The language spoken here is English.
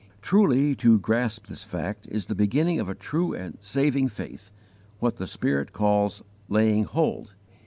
Truly to grasp this fact is the beginning of a true and saving faith what the Spirit calls "laying hold."